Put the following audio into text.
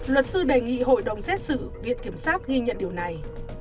luật sư đề nghị hội đồng xét xử viện kiểm sát ghi nhận điều này